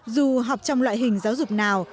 dù học trong loại hình giáo dục nào